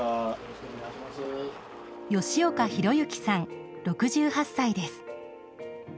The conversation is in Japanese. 吉岡博行さん６８歳です。